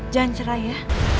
jangan cerai ya